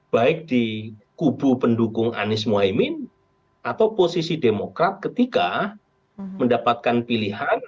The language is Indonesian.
baik di kubu pendukung anies mohaimin atau posisi demokrat ketika mendapatkan pilihan